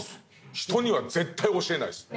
人には絶対教えないです。